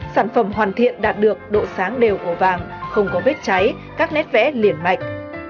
sản phẩm hoàn thiện đạt được độ sáng đều của vàng không có vết cháy các nét vẽ liền mạch